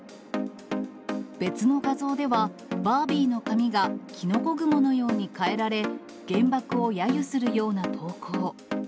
別の画像では、バービーの髪がきのこ雲のように変えられ、原爆をやゆするような投稿。